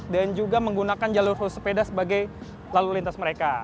dan juga menggunakan jalur khusus sepeda sebagai lalu lintas mereka